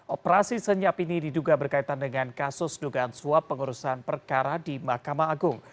operasi senyap ini diduga berkaitan dengan kasus dugaan suap pengurusan perkara di mahkamah agung